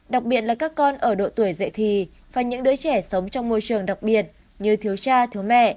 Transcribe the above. đặc biệt là các con ở độ tuổi dậy thì và những đứa trẻ sống trong môi trường đặc biệt như thiếu cha thứ mẹ